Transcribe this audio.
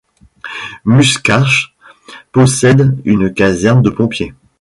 Musquash possède une caserne de pompiers.